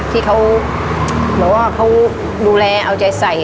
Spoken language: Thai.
ที่เขาบอกว่าเขาดูแลเอาใจใส่